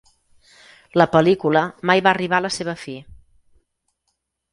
La pel·lícula mai va arribar a la seva fi.